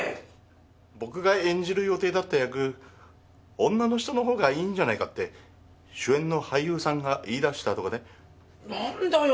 僕が演じる予定だった役女の人のほうがいいんじゃないかって主演の俳優さんが言いだしたとかでなんだよ